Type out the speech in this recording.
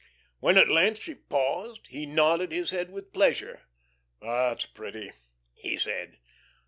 When at length she paused, he nodded his head with pleasure. "That's pretty," he said.